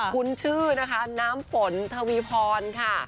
คุณชื่อน้ำฝนเทวีพรค่ะ